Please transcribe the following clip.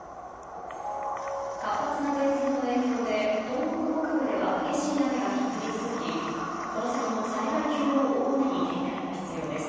活発な前線の影響で、東北北部では激しい雨が降り続き、この先も災害級の大雨に警戒が必要です。